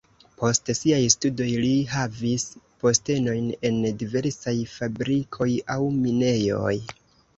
Post siaj studoj li havis postenojn en diversaj fabrikoj aŭ minejoj.